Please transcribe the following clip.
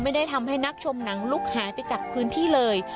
ไม่ได้ทำให้นักชมหนังลุกหายไปจากพื้นที่เลย